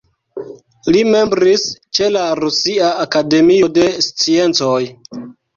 Li membris ĉe la Rusia Akademio de Sciencoj.